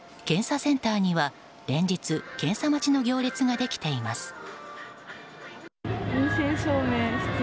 検査センターには連日、検査待ちの行列ができています。